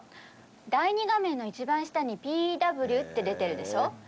第２画面の一番下にＰＷって出てるでしょ。